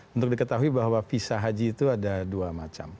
untuk diketahui bahwa visa haji itu ada dua macam